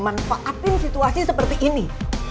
manfaatin situasi seperti ini